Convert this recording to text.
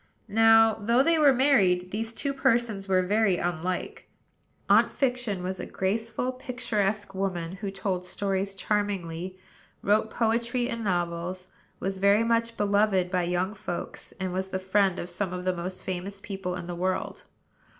Now, though they were married, these two persons were very unlike. Aunt Fiction was a graceful, picturesque woman; who told stories charmingly, wrote poetry and novels, was very much beloved by young folks, and was the friend of some of the most famous people in the world.